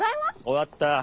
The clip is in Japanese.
終わった。